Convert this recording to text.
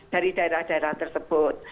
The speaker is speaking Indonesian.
dari daerah daerah tersebut